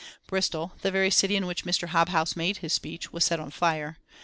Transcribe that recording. Bristol, the very city in which Mr. Hobhouse made his speech, was set on fire.